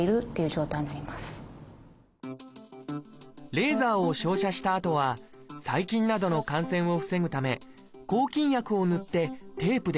レーザーを照射したあとは細菌などの感染を防ぐため抗菌薬を塗ってテープで保護します。